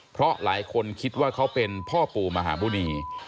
เพราะหลายคนคิดว่าเขาเป็นพ่อปู่มหาบุณี